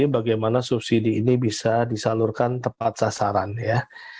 bagaimana subsidi ini bisa disalurkan tepat sasaran ya